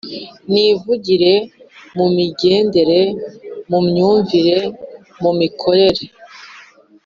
mivugire, mu migendere, mu myumvire, mu mikorere